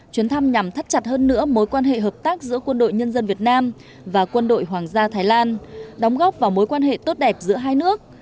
chuyến thăm nhằm thắt chặt hơn nữa mối quan hệ hợp tác giữa quân đội nhân dân việt nam và quân đội hoàng gia thái lan đóng góp vào mối quan hệ tốt đẹp giữa hai nước